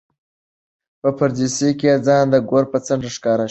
په پردېسۍ کې ځان د ګور په څنډه ښکاره شو.